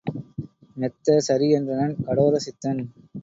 மெத்த சரி என்றனன் கடோர சித்தன்.